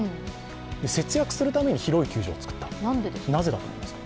節約するために広い球場を造った、なぜだと思いますか？